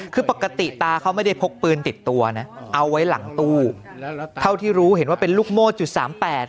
คือปกติตาเขาไม่ได้พกปืนติดตัวนะเอาไว้หลังตู้เท่าที่รู้เห็นว่าเป็นลูกโม่จุดสามแปด